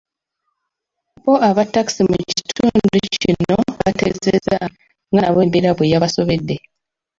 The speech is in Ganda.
Bbo abattakisi mu kitundu kino bategeezezza nga nabo embeera bwe yabasobedde.